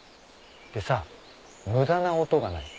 でさ無駄な音がない。